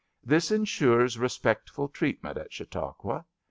This ensures respectful treatment at Chautauqua.